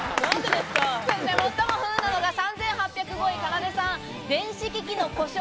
最も不運なのが３８０５位、かなでさん。